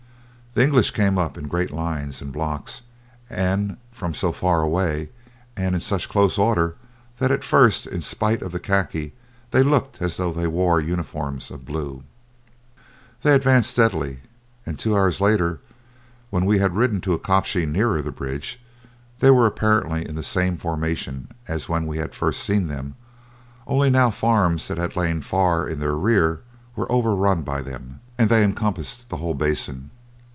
The English came up in great lines and blocks and from so far away and in such close order that at first in spite of the khaki they looked as though they wore uniforms of blue. They advanced steadily, and two hours later when we had ridden to a kopje still nearer the bridge, they were apparently in the same formation as when we had first seen them, only now farms that had lain far in their rear were overrun by them and they encompassed the whole basin.